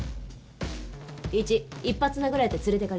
１「１発殴られて連れていかれる」。